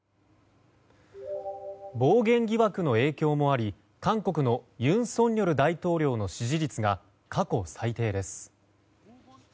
暴言疑惑の影響もあり韓国の尹錫悦大統領の支持率が過去最低です。